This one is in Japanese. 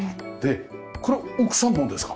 これ奥さんもですか？